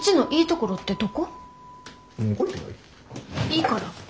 いいから。